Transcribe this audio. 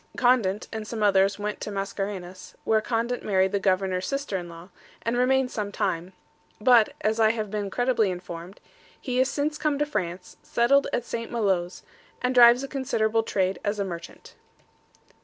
Condent and some others went to Mascarenhas, where Condent married the governor's sister in law, and remained some time; but, as I have been credibly informed, he is since come to France, settled at St. Maloes, and drives a considerable trade as a merchant.